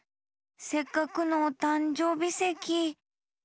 せっかくのおたんじょうびせき。